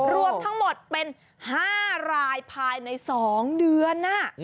รวมทั้งหมดเป็น๕รายภายใน๒เดือน